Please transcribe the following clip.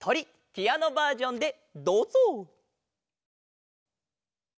ピアノバージョンでどうぞ！